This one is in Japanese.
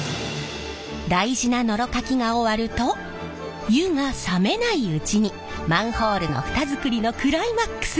大事なノロかきが終わると「湯」が冷めないうちにマンホールの蓋作りのクライマックスに！